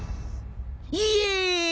イエーイ！